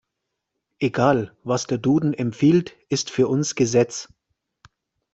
Egal. Was der Duden empfiehlt, ist für uns Gesetz.